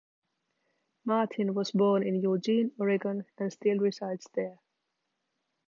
Martin was born in Eugene, Oregon and still resides there.